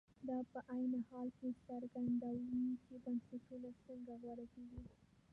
دا په عین حال کې څرګندوي چې بنسټونه څنګه غوره کېږي.